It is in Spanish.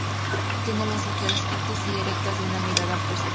Tiene las orejas cortas y erectas y una mirada perspicaz.